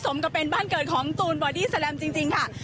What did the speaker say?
สมกับเป็นบ้านเกิดของตูนบอดี้แลมจริงค่ะ